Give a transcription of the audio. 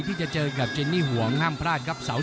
ที่จะเจอกับเจนนี่ห่วงห้ามพลาดครับ